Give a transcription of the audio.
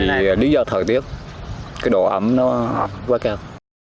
vì lý do thời tiết cái độ ấm nó quá cao